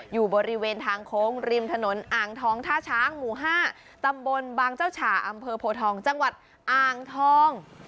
อยู่บริเวณทางโค้งริมถนนอ่างทองท่าช้างหมู่๕ตำบลบางเจ้าฉ่าอำเภอโพทองจังหวัดอ่างทอง